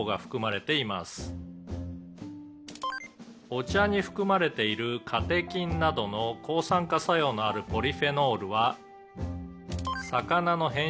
「お茶に含まれているカテキンなどの抗酸化作用のあるポリフェノールは」